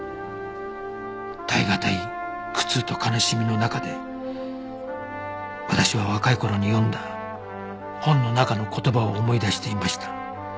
耐え難い苦痛と悲しみの中で私は若い頃に読んだ本の中の言葉を思い出していました